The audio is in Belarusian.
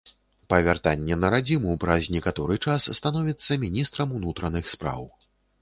Па вяртанні на радзіму праз некаторы час становіцца міністрам унутраных спраў.